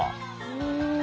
うん。